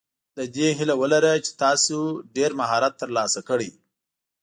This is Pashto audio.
د دې هیله ولره چې تاسو ډېر مهارت ترلاسه کړئ.